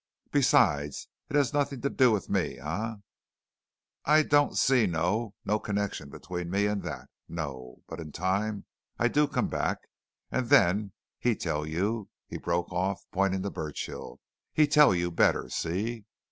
"Besides, it has nothing to do with me, eh? I don't see no no connection between me and that no! But in time, I do come back, and then he tell you," he broke off, pointing to Burchill. "He tell you better, see?"